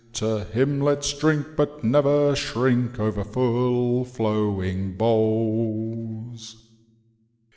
To him let's drink, but never shrink, over full flowing bowls.'